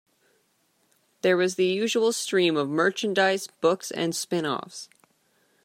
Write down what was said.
There was the usual stream of merchandise, books and spin-offs.